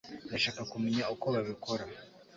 Ndashaka kumenya uko babikora